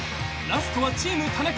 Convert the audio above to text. ［ラストはチーム田中］